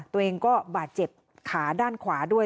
ตัวเองก็บาดเจ็บขาด้านขวาด้วย